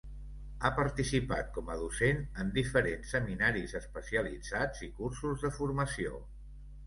Ha participat com a docent en diferents seminaris especialitzats i cursos de formació.